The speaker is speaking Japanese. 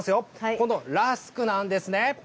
このラスクなんですね。